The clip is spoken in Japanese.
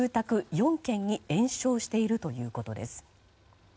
４軒に延焼しているということです。